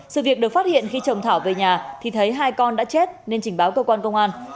sự việc được phát hiện khi chồng thảo về nhà thì thấy hai con đã chết nên trình báo cơ quan công an